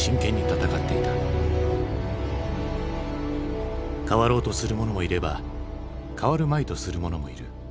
変わろうとする者もいれば変わるまいとする者もいる。